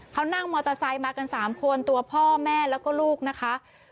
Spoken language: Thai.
เขานั่งมอเตอร์ไซค์มากัน๓คนตัวพ่อแม่แล้วก็ลูกนะคะ